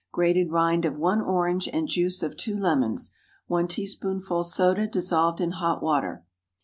Grated rind of one orange, and juice of two lemons. 1 teaspoonful soda dissolved in hot water.